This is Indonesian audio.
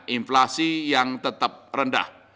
inflasi yang tetap rendah